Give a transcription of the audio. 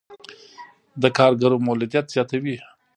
د کارګرو مولدیت زیاتوي.